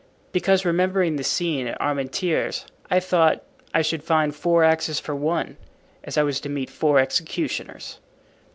"Because, remembering the scene at Armentieres, I thought I should find four axes for one, as I was to meet four executioners."